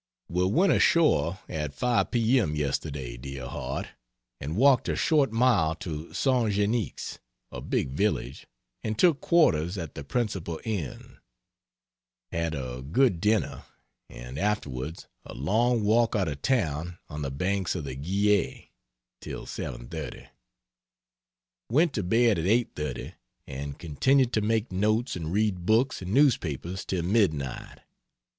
We went ashore at 5 p. m. yesterday, dear heart, and walked a short mile to St. Geuix, a big village, and took quarters at the principal inn; had a good dinner and afterwards along walk out of town on the banks of the Guiers till 7.30. Went to bed at 8.30 and continued to make notes and read books and newspapers till midnight.